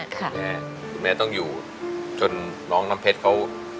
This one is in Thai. คุณแม่ต้องอยู่จนน้องน้ำเพชรเขา